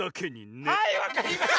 はいわかりました。